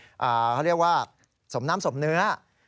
เขาเรียกว่าสมน้ำสมเนื้อ